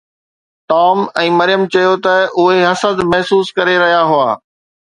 Tom ۽ Maryam چيو ته اهي حسد محسوس ڪري رهيا هئا.